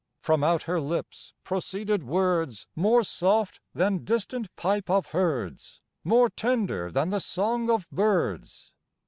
From out her lips proceeded words More soft than distant pipe of herds, More tender than the song of birds.